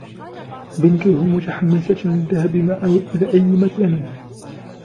بنته متحمسة للذهاب معه إلى أي مكان.